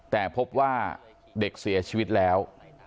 แต่พบว่าเด็กเสียชีวิตแล้ว